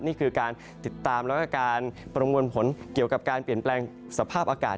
นี่คือการติดตามแล้วก็การประมวลผลเกี่ยวกับการเปลี่ยนแปลงสภาพอากาศ